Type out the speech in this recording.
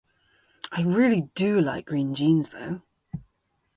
I really do like green jeans though